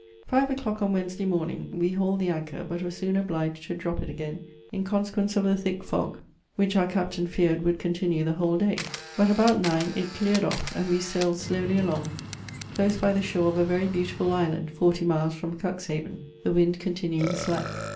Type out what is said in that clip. Five o'clock on Wednesday morning we hauled the anchor, but were soon obliged to drop it again in consequence of a thick fog, which our captain feared would continue the whole day; but about nine it cleared off, and we sailed slowly along, close by the shore of a very beautiful island, forty miles from Cuxhaven, the wind continuing slack.